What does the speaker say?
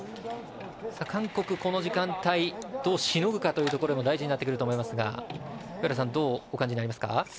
韓国、この時間帯どうしのぐかというところも大事になってくると思いますが上原さんどうお感じになりますか。